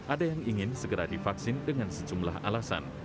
ada yang ingin segera divaksin dengan sejumlah alasan